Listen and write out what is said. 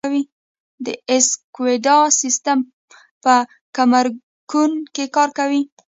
د اسیکوډا سیستم په ګمرکونو کې کار کوي؟